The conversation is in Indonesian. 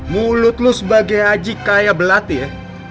mulut lu sebagai haji kaya belatih ya